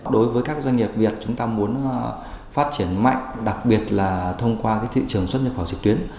đối với các doanh nghiệp việt chúng ta muốn phát triển mạnh đặc biệt là thông qua thị trường xuất nhập khẩu trực tuyến